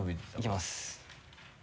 いきます。